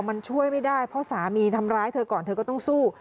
มันช่วยไม่ได้เพราะสามีทำร้ายเธอก่อนเธอก็ต้องสู้